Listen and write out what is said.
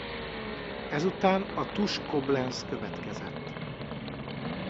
Ezután a TuS Koblenz következett.